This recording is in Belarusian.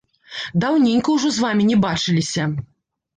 Даўненька ўжо з вамі не бачыліся!